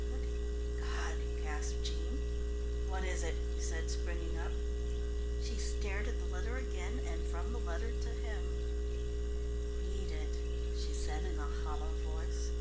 "Good God!" gasped Jean. "What is it?" he said, springing up. She stared at the letter again and from the letter to him. "Read it," she said in a hollow voice.